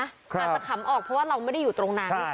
อาจจะขำออกเพราะว่าเราไม่ได้อยู่ตรงนั้น